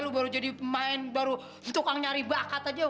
lu baru jadi pemain baru tukang nyari bakat aja